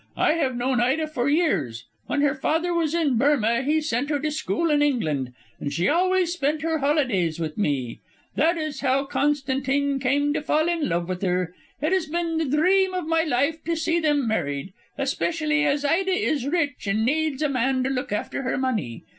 "I have known Ida for years: when her father was in Burmah he sent her to school in England, and she always spent her holidays with me. That is how Constantine came to fall in love with her. It has been the dream of my life to see them married, especially as Ida is rich and needs a man to look after her money.